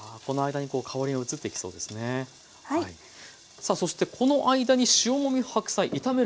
さあそしてこの間に塩もみ白菜炒める